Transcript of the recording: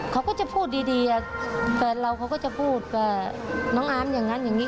เขาก็จะพูดดีแฟนเราเขาก็จะพูดว่าน้องอาร์มอย่างนั้นอย่างนี้